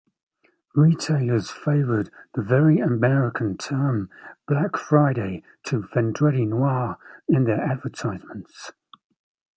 Retailers favored the very American term "Black Friday" to "Vendredi noir" in their advertisements.